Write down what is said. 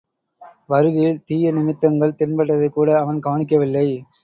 வருகையில் தீய நிமித்தங்கள் தென்பட்டதைக்கூட அவன் கவனிக்கவில்லை.